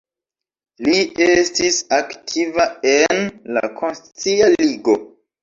Li estis aktiva en la Konscia Ligo.